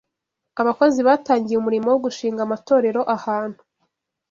Abakozi batangiye umurimo wo gushinga amatorero ahantu